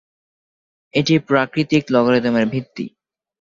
এটি প্রাকৃতিক লগারিদমের ভিত্তি।